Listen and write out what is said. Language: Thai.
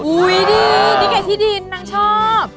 ดีนี่ไงที่ดินนางชอบ